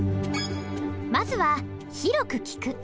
まずは「広く聴く」。